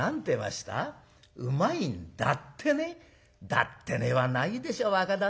『だってね』はないでしょ若旦那。